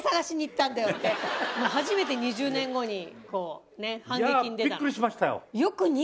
って初めて２０年後に反撃に出たの。